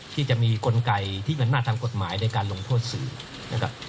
ที่จะมีกลไกที่เป็นอำนาจทางกฎหมายในการลงโทษสื่อนะครับ